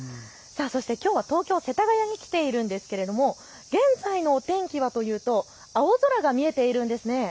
きょうは東京世田谷に来ているんですけれど現在の天気はというと青空が見えているんです。